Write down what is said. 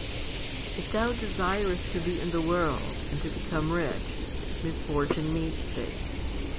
If thou desirest to be in the world, and to become rich, misfortune meets thee.